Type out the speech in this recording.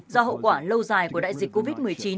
do hậu quả lâu dài của đại dịch covid một mươi chín